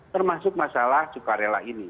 termasuk masalah sukarela ini